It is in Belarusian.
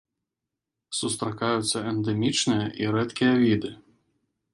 Сустракаюцца эндэмічныя і рэдкія віды.